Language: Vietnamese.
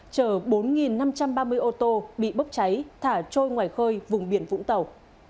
chở bốn năm trăm ba mươi ô tô bị bốc cháy thả trôi ngoài khơi vùng biển vũng tàu